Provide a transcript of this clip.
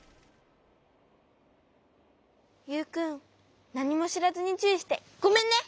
ユウくんなにもしらずにちゅういしてごめんね。